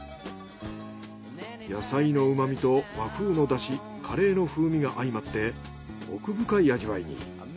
野菜の旨みと和風のダシカレーの風味が相まって奥深い味わいに。